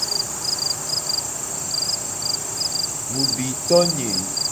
Mu di to nye.